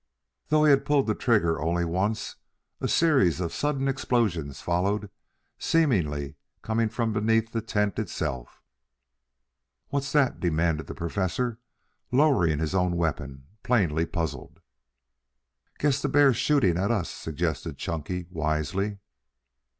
Though he had pulled the trigger only once a series of sudden explosions followed, seemingly coming from beneath the tent itself. "What's that!" demanded the Professor, lowering his own weapon, plainly puzzled. "Guess the bear's shooting at us," suggested Chunky wisely.